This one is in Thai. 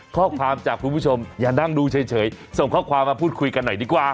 ข้อความจากคุณผู้ชมอย่านั่งดูเฉยส่งข้อความมาพูดคุยกันหน่อยดีกว่า